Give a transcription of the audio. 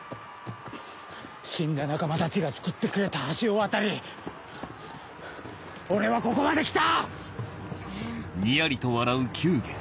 死んだ仲間たちがつくってくれた橋を渡り俺はここまで来た！